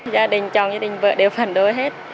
gia đình chồng gia đình vợ đều phản đối hết